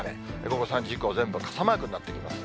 午後３時以降、全部傘マークになってきます。